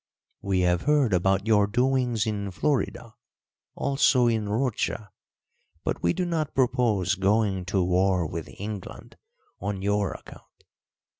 We have heard about your doings in Florida, also in Rocha, but we do not propose going to war with England on your account."